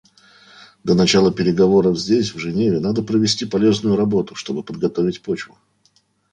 До начала переговоров здесь, в Женеве, надо провести полезную работу, чтобы подготовить почву.